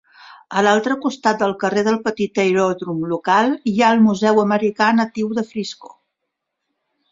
A l'altre costat del carrer del petit aeròdrom local, hi ha el Museu Americà Natiu de Frisco.